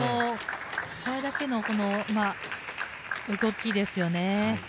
これだけの動きですよね。